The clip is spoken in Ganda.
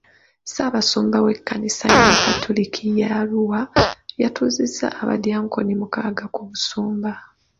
Ssaabasumba w'ekkanisa y'abakatoliki ya Arua yatuuzizza abadyankoni mukaaga ku busumba.